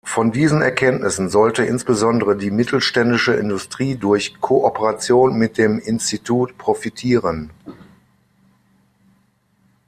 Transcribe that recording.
Von diesen Erkenntnissen sollte insbesondere die mittelständische Industrie durch Kooperation mit dem Institut profitieren.